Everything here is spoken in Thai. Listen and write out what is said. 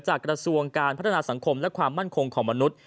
กระทรวงการพัฒนาสังคมและความมั่นคงของมนุษย์